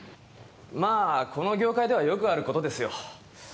まあこの業界ではよくある事ですよ。